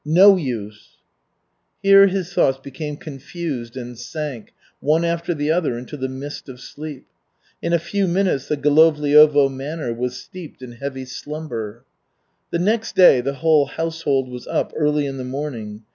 No use Here his thoughts became confused and sank, one after the other, into the mist of sleep. In a few minutes the Golovliovo manor was steeped in heavy slumber. The next day the whole household was up early in the morning.